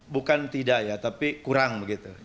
bukan tidak ya tapi kurang begitu